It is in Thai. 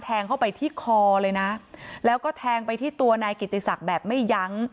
แทงเข้าไปที่คอเลยนะแล้วก็แทงไปที่ตัวนายกิติศักดิ์แบบไม่ยั้ง